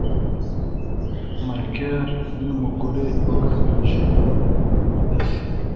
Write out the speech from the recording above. markel ni we mugore wagaragaje ubudasa